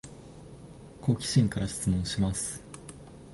好奇心から質問します